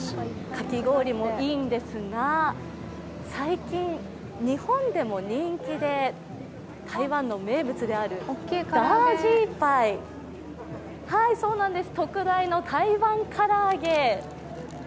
かき氷もいいんですが、最近、日本でも人気で台湾の名物であるダージーパイ、特大の台湾から揚げ。